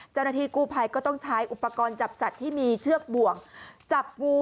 เจ้าหน้าที่กู้ภัยก็ต้องใช้อุปกรณ์จับสัตว์ที่มีเชือกบ่วงจับงู